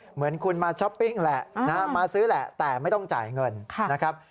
เหมือนคุณมาช้อปปิ้งแหละมาซื้อแหละแต่ไม่ต้องจ่ายเงินนะครับ